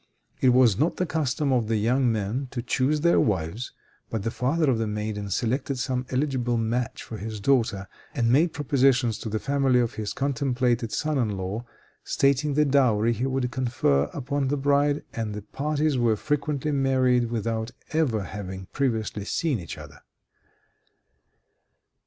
It was not the custom for the young men to choose their wives, but the father of the maiden selected some eligible match for his daughter, and made propositions to the family of his contemplated son in law, stating the dowry he would confer upon the bride, and the parties were frequently married without ever having previously seen each other.